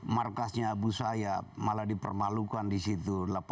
markasnya abu sayyaf malah dipermalukan di situ